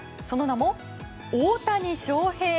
その名も、大谷翔平